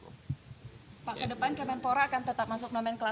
pak ke depan kemenpora akan tetap masuk nomenklatur kabinet